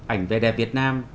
ảnh ve đẹp việt nam